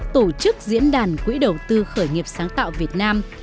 tổ chức diễn đàn quỹ đầu tư khởi nghiệp sáng tạo việt nam